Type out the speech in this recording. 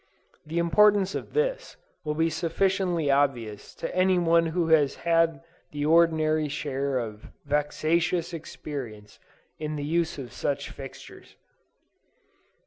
The importance of this will be sufficiently obvious to any one who has had the ordinary share of vexatious experience in the use of such fixtures.